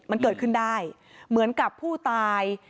มันเกิดขึ้นได้เหมือนกับผู้ตาย